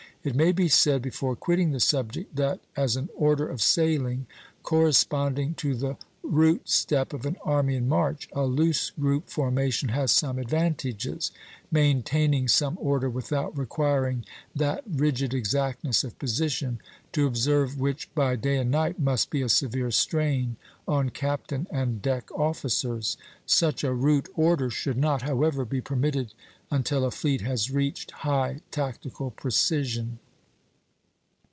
It may be said, before quitting the subject, that as an order of sailing, corresponding to the route step of an army in march, a loose group formation has some advantages; maintaining some order without requiring that rigid exactness of position, to observe which by day and night must be a severe strain on captain and deck officers. Such a route order should not, however, be permitted until a fleet has reached high tactical precision.